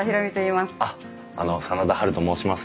あっあの真田ハルと申します。